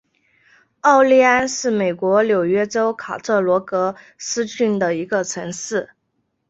奥利安是美国纽约州卡特罗格斯郡的一个城市。